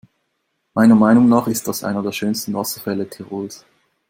Meiner Meinung nach ist das einer der schönsten Wasserfälle Tirols.